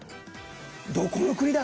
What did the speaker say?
どこの国だ？